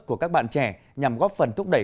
của các bạn trẻ nhằm góp phần thúc đẩy